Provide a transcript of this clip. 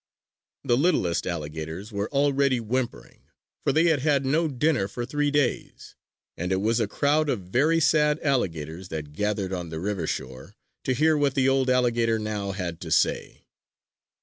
The littlest alligators were already whimpering; for they had had no dinner for three days; and it was a crowd of very sad alligators that gathered on the river shore to hear what the old alligator now had to say.